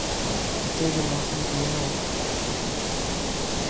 ھتي جو موسم ڪيئن ھو؟